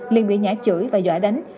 liên bị nhã chửi và dọa đánh